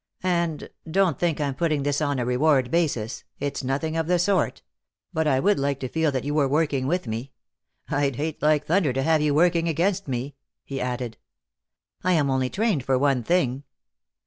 And don't think I'm putting this on a reward basis. It's nothing of the sort but I would like to feel that you were working with me. I'd hate like thunder to have you working against me," he added. "I am only trained for one thing."